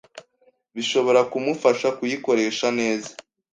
bishobora kumufasha kuyikoresha neza.